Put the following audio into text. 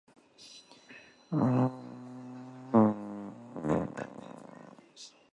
Whelan currently works as political director for Unite, Britain's biggest trade union.